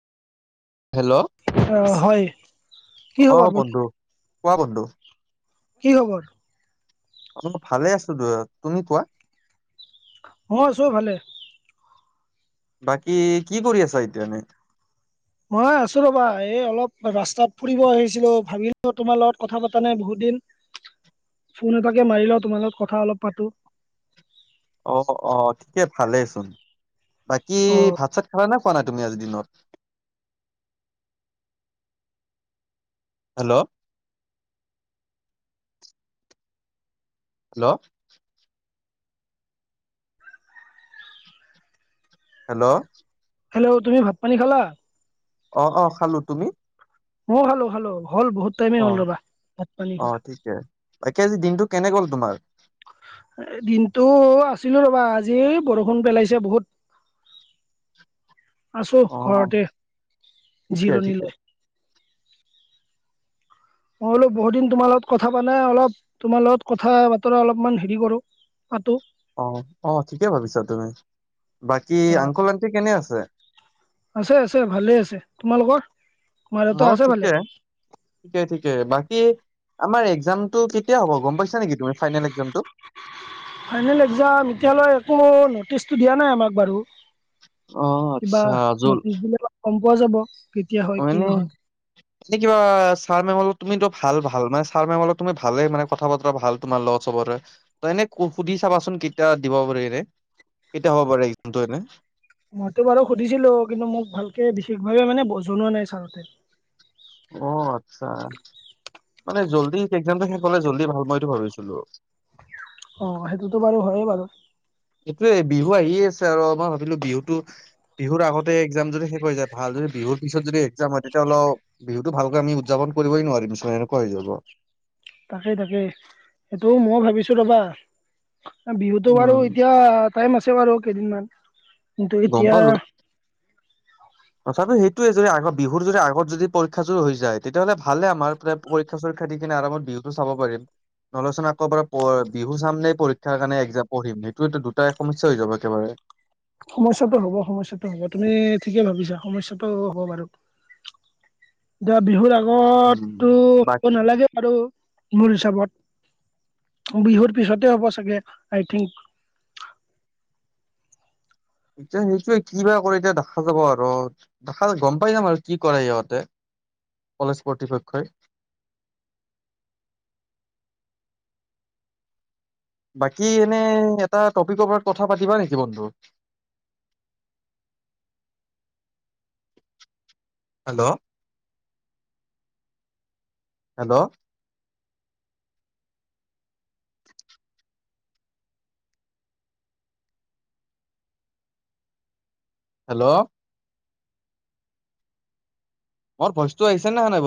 Hello অ হয় কি অ খবৰ বন্ধু কোৱা বন্ধু কি খবৰ অলপ ভালে আছো তুমি কোৱা অ চব ভালে বাকী কি কৰি আছা এতিয়া এনে? মই আছো ৰবা এই অলপ ৰাস্তাত ফুৰিব আহিছিলো ভাবিলো তোমাৰ লগত কথা পাতা নাই বহুত দিন ফোন এটাকে মাৰি লও তোমাৰ লগত কথা অলপ পাতো। অ অ ঠিকে ভালেইচোন। বাকী অ ভাত চাত খাবা না? খোৱা নাই তুমি আজি দিনত। হেল্ল' হেল্ল' হেল্ল' হেল্ল' তুমি ভাত পানী খালা? অ অ খালো। তুমি? ম খালো খালো হ'ল বহুত টাইমে অ হ'ল ৰবা ভাত পানী খোৱা। বাকে আজি দিনটো কেনে গ'ল তোমাৰ? দিনটো আছিলো ৰবা আজি বৰষুণ পেলাইছে বহুত। [inaudible] আছো অ ঘৰতে ঠিকে জিৰণি ঠিকে লৈ। মই বোলো বহুত দিন তোমাৰ লগত কথা পাই নাই অলপ তোমাৰ লগত কথা বতৰা অলপমান হেৰি কৰো। পাতো। অ অ ঠিকে ভাবিছা তুমি। বাকী অ আংকল-আন্টি কেনে আছে? আছে আছে ভালে আছে তোমালোকৰ মা দেউতা মোৰ আছে ভালে ঠিকে ঠিকে ঠিকে বাক কী আমাৰ একজামটো কেতিয়া হ'ব গম পাইছা নেকি তুমি ফাইনেল একজামটো? ফাইনেল একজাম এতিয়ালৈ একো নটিচটো দিয়া নাই আমাক বাৰু। অ কিবা আচ্ছা জল নটিচ দিলে অলপ গম পোৱা যাব কেতিয়া হয় কি নহয়। এ কিবা ছাৰ মেমলত তুমিতো ভাল ভাল মানে ছাৰ মেমত তুমি ভালে মানে কথা বতৰা ভাল তোমাৰ লছ চবৰে ত এনে সুধি চাবাচোন কেতিয়া দিব পাৰে ৰে। কেতিয়া হব পাৰে একজামটো এনে। মইতো বাৰু সুধিছিলো কিন্তু মোক ভালকে বিশেষভাৱে মানে ব জনোৱা নাই ছাৰহতে। অ আত্চ্ছা। মানে জল্দি একজামটো শেষ হলে জল্দি ভাল মই এইটো ভাবিছিলো। অ সেইটোতো বাৰু হয় বাৰু। এইটোৱে বিহু আহিয়ে আছে আৰ মই ভাবিলো বিহুতো বিহুৰ আগতে একজাম যদি শেষ হৈ যায় ভাল যদি বি বিহুৰ পিছত যদি একজাম হয় তেতিয়া অলপ বিহুতো ভালকে আমি উদযাপন কৰিবই নোৱাৰিম চোন এনেকুৱা হৈ যাব। তাকে তাকে সেইটো মই ভাবিছো ৰবা। বিহুতো বাৰু উম। এতিয়া টাইম আছে বাৰু কেইদিনমান। কিন্তু গম এতিয়া পালো তথাপি সেইট টোৱে যদি আগত বিহুৰ যদি আগত যদি পৰীক্ষা চু হৈ যায় তেতিয়াহ'লে ভালে আমাৰ পৰীক্ষা চৰীক্ষা দি কিনে আৰামত বি হুটো চাব পাৰিম। নহলে চোন আকৌবাৰ বিহু চাম নে পৰীক্ষাৰ কাৰণে একজাম পঢ়িম সেইটোটো দুইটা সমস্যা হৈ যাব একেবাৰে। [inaudible] সমস্যাটো হ'ব সমস্যাটো হ'ব তুমি ঠিকেই ভাবিছা সমস্যাটো হ'ব বাৰু। দিয়া বিহুৰ উম, আগতটো হ'ব বাকী নালাগে বাৰু মোৰ হিচাপত। বিহুৰ পিছতে হ'ব চাগে আই থিংক। এতিয়া সেইটোৱে কি বা কৰে এতিয়া দেখা যাব আৰ দেখা গম পাই যাম আৰু কি কৰে ইহঁতে। কলেজ কৰ্তৃপক্ষই। বাকী এনে এটা টপিকৰ পৰাৰত কথা পাতিবা নেকি বন্ধু? [inaudible] হেল্ল' হেল্ল' হেল্ল' মোৰ ভইছতো আহিছে না [unintelligible]